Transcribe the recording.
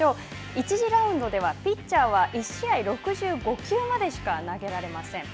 １次ラウンドではピッチャーは１試合６５球までしか投げられません。